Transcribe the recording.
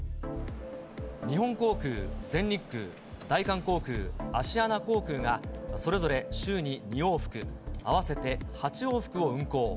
日本航空、全日空、大韓航空、アシアナ航空が、それぞれ週に２往復、合わせて８往復を運航。